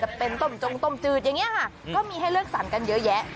จะเป็นต้มจงต้มจืดอย่างนี้ค่ะก็มีให้เลือกสรรกันเยอะแยะ